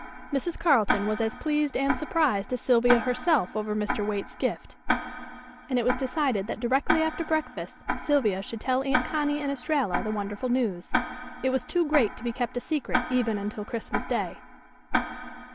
Mrs. Carleton was as pleased and surprised as Sylvia herself over Mr. Waite's gift, and it was decided that directly after breakfast Sylvia should tell Aunt Connie and Estralla the wonderful news. It was too great to be kept a secret even until Christmas Day.